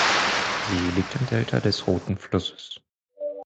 Sie liegt im Delta des Roten Flusses.